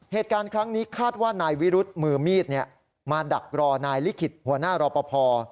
เหตุการณ์ครั้งนี้คาดว่านายวิรุธมือมีดมาดักรอนายลิขิตหัวหน้ารอปภ